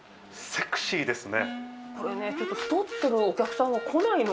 セクシーですね。